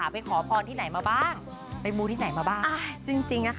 ไปขอพรที่ไหนมาบ้าง